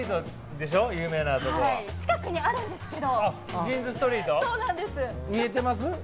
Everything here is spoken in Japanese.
近くにあるんですけど。